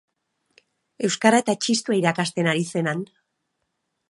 Euskara eta txistua irakasten aritu zen han.